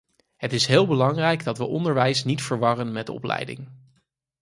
Het is heel belangrijk dat we onderwijs niet verwarren met opleiding.